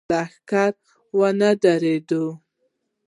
خو لښکر ونه درېد.